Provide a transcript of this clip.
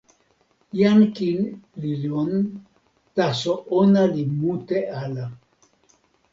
jan kin li lon. taso ona li mute ala.